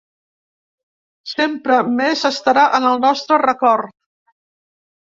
Sempre més estarà en el nostre record.